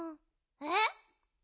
えっ？